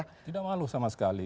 tidak malu sama sekali